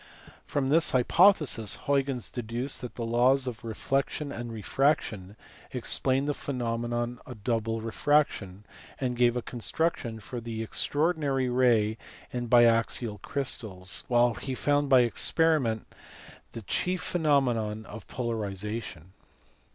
From this hypothesis Huygens deduced the laws of reflexion and refraction, explained the phenomena of double refraction, and gave a construction for the extraordinary ray in biaxal crystals ; while he found by experiment the chief phenomena of polarization.